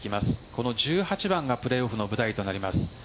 この１８番がプレーオフの舞台となります。